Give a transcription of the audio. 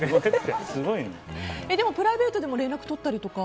でもプライベートでも連絡とったりとか。